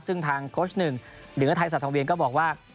ซึ่งทางโค้ชหนึ่งหรือว่าไทยศาสตร์ทางเวียนก็บอกว่า